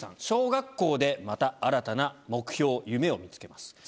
小学校でまた新たな目標夢を見つけます。